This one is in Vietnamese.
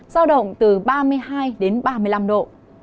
giao động từ ba mươi hai đến ba mươi năm độ